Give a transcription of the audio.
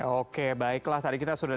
oke baiklah tadi kita sudah